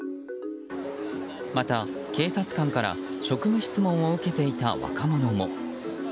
また、警察官から職務質問を受けていた若者も。